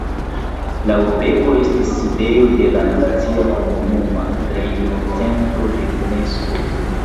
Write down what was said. La urbego estis sidejo de la Nacia Komunuma Trejnocentro de Unesko.